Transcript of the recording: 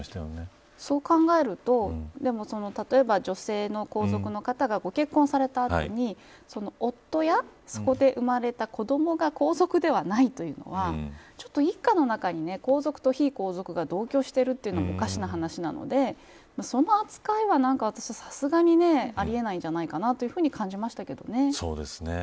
そう考えると例えば、女性の皇族の方がご結婚された後に夫や、そこで生まれた子どもが皇族ではないというのはちょっと一家の中に、皇族と非皇族が同居してるのはおかしな話なのでその扱いは、さすがにあり得ないんじゃないかなと感じましたけどね。